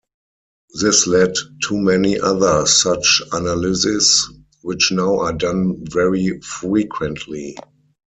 This led to many other such analyses, which now are done very frequently.